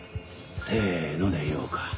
「せの」で言おうか。